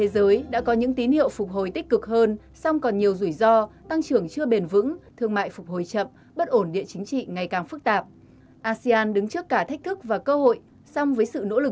xin kính mời ông và các bạn theo dõi phần tổng hợp sau